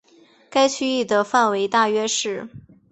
该区域的范围大约是。